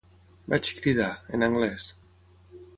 Vaig cridar, en anglès